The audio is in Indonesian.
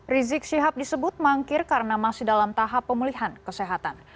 rizik syihab disebut mangkir karena masih dalam tahap pemulihan kesehatan